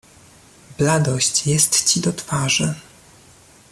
"Bladość jest ci do twarzy."